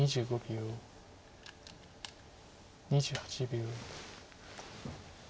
２８秒。